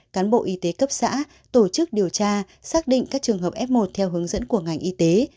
cán bộ y tế cấp xã tổ chức điều tra xác định các trường hợp f một theo hướng dẫn của ngành y tế